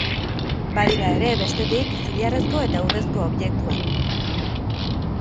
Badira ere, bestetik, zilarrezko eta urrezko objektuak.